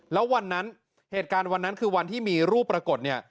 แล้ววันนั้นเหตุการณ์วันนั้นคือวันที่มีรูปปรากฏเนี่ย